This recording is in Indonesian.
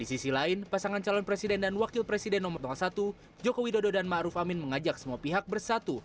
di sisi lain pasangan calon presiden dan wakil presiden nomor satu joko widodo dan ⁇ maruf ⁇ amin mengajak semua pihak bersatu